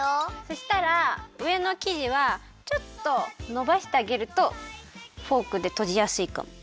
そしたらうえのきじはちょっとのばしてあげるとフォークでとじやすいかも。